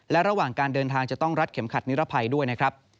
และระหว่างการเดินทางจะต้องรัดเข็มขัดนิรภัยด้วยนะครับ